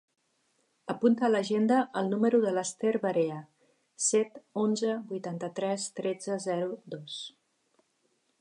Apunta a l'agenda el número de l'Esther Varea: set, onze, vuitanta-tres, tretze, zero, dos.